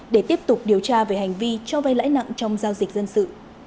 để tiếp tục điều tra về hành vi cho vay lãi nặng trong giao dịch dân sự